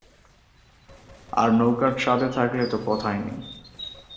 আর নৌকার ছাদে থাকলে তো কথাই নেই।